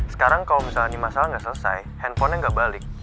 sekarang kalo misalnya ini masalah gak selesai handphonenya gak balik